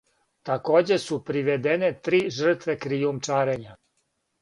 Такође су приведене три жртве кријумчарења.